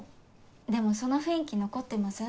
でもその雰囲気残ってません？